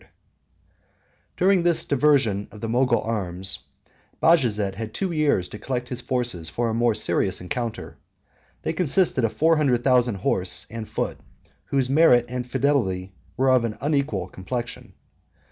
] During this diversion of the Mogul arms, Bajazet had two years to collect his forces for a more serious encounter. They consisted of four hundred thousand horse and foot, 39 whose merit and fidelity were of an unequal complexion.